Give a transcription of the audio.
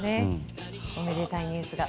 おめでたいニュースが。